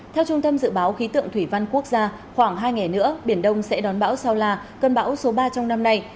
theo trung tâm dự báo khí tượng thủy văn quốc gia khoảng hai ngày nữa biển đông sẽ đón bão sao la cơn bão số ba trong năm nay